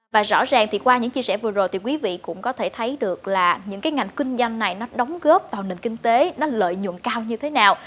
và rõ ràng thì qua những chia sẻ vừa rồi thì quý vị cũng có thể thấy được là những cái ngành kinh doanh này nó đóng góp vào nền kinh tế nó lợi nhuận cao như thế nào